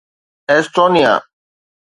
Estonia